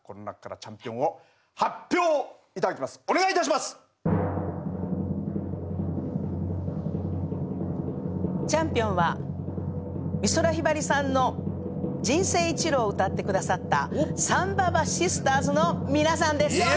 チャンピオンは美空ひばりさんの「人生一路」を歌って下さったさんばばシスターズの皆さんです。